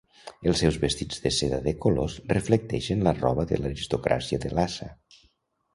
Els seus vestits de seda de colors reflecteixen la roba de l'aristocràcia de Lhasa.